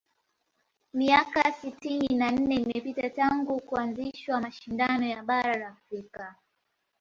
miaka sitini na nne imepita tangu kuanzishwa mashinda ya bara la afrika